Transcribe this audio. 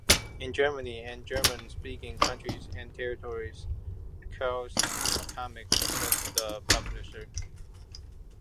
In Germany and German-speaking countries and territories, Carlsen Comics was the publisher.